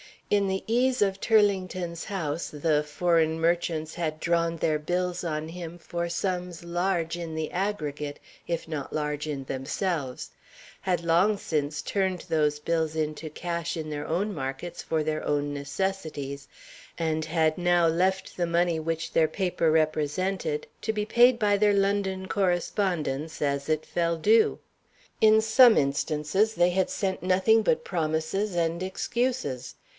In the ease of Turlington's house, the foreign merchants had drawn their bills on him for sums large in the aggregate, if not large in themselves; had long since turned those bills into cash in their own markets, for their own necessities; and had now left the money which their paper represented to be paid by their London correspondents as it fell due. In some instances, they had sent nothing but promises and excuses.